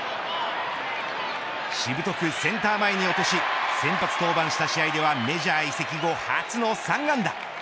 しぶとく、センター前に落とし先発登板した試合ではメジャー移籍後初の３安打。